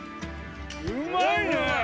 うまいね。